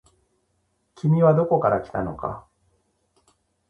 君はどこから来たのか。